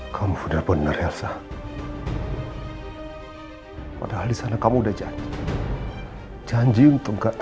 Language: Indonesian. sampai jumpa di video selanjutnya